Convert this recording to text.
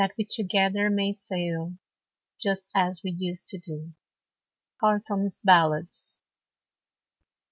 "That we together may sail, Just as we used to do." Carleton's Ballads.